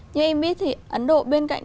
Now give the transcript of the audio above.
như em biết thì ấn độ bên cạnh